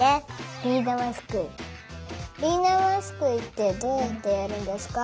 ビーだますくいってどうやってやるんですか？